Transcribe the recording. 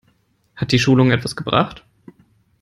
Hat die Schulung etwas gebracht?